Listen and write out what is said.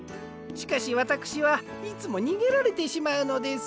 しかしわたくしはいつもにげられてしまうのです。